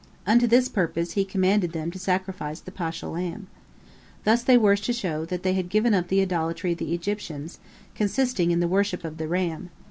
Unto this purpose He commanded them to sacrifice the paschal lamb. Thus they were to show that they had given up the idolatry of the Egyptians, consisting in the worship of the ram.